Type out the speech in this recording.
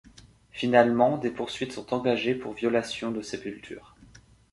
Finalement, des poursuites sont engagées pour violation de sépulture.